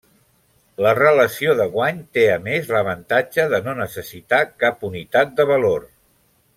La relació de guany té a més l'avantatge de no necessitar cap unitat de valor.